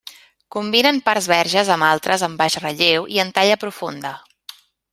Combinen parts verges amb altres en baix relleu i en talla profunda.